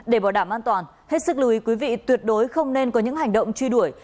để bảo đảm an toàn hết sức lưu ý quý vị tuyệt đối không nên có những hành động truy đuổi